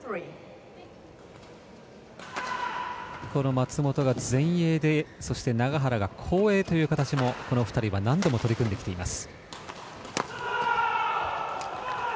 松本が前衛でそして永原が後衛という形もこの２人は何度も取り組んできています。